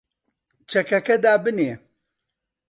چەکەکە دابنێ!